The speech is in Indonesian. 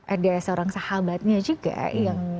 ada seorang sahabatnya juga yang